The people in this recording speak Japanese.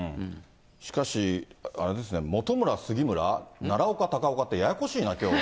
しかしあれですね、本村、杉村、奈良岡、高岡って、ややこしいな、きょうは。